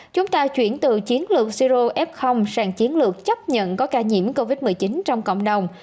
chúng ta chuyển từ chiến lược siro f sang chiến lược chấp nhận có ca nhiễm covid một mươi chín trong cộng đồng